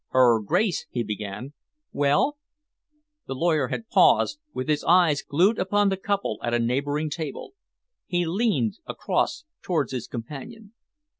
"Her Grace," he began "Well?" The lawyer had paused, with his eyes glued upon the couple at a neighbouring table. He leaned across towards his companion.